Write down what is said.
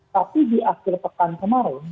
tapi di akhir pekan kemarin